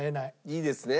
いいですね？